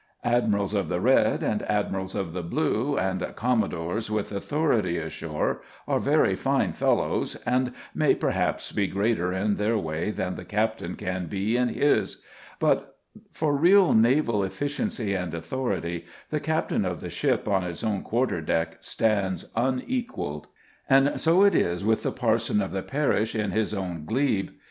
Admirals of the Red and Admirals of the Blue, and Commodores with authority ashore, are very fine fellows, and may perhaps be greater in their way than the captain can be in his; but for real naval efficiency and authority the captain of the ship on his own quarter deck stands unequalled. And so it is with the parson of the parish in his own glebe.